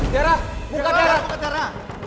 tiara buka tiara